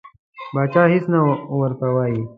پاچا هیڅ نه ورته وایي.